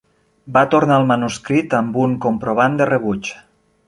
Va tornar el manuscrit amb un comprovant de rebuig.